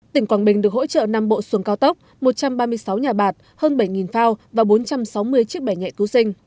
tỉnh quảng bình được hỗ trợ năm bộ xuồng cao tốc một trăm ba mươi sáu nhà bạc hơn bảy phao và bốn trăm sáu mươi chiếc bẻ nhẹ cứu sinh